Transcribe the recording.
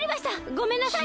ごめんなさい！